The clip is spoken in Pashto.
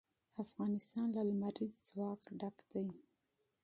افغانستان له لمریز ځواک ډک دی.